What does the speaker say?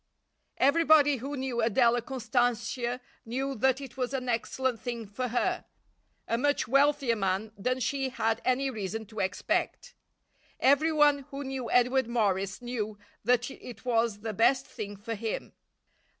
Everybody who knew Adela Constantia knew that it was an excellent thing for her a much wealthier man than she had any reason to expect. Everyone who knew Edward Morris knew that it was the best thing for him.